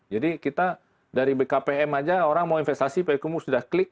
jadi kita dari bkpm saja orang mau investasi payakumbu sudah klik